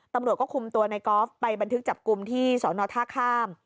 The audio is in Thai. ตำรวจก็คุมตัวในกอล์ฟไปบันทึกจับกลุ่มที่สอนอท่าข้าม